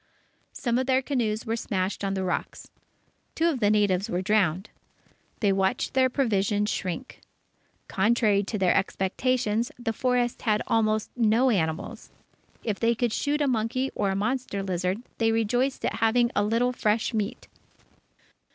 Some of their canoes were smashed on the rocks. Two of the natives were drowned. They watched their provisions shrink. Contrary to their expectations, the forest had almost no animals. If they could shoot a monkey or a monster lizard, they rejoiced at having a little fresh meat.